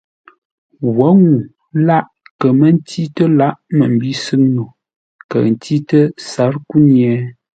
Wǒ ŋuu lâʼ kə̌ mə́ ntî tə́ lǎghʼ məmbî sʉ́ŋ no, kəʉ ntî tə́ sǎr kúnye?